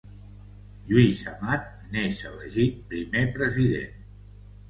Lluís Amat n'és elegit primer president.